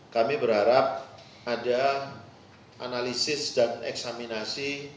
kami berharap ada analisis dan eksaminasi